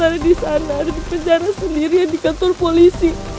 ada di sana ada di penjara sendiri di kantor polisi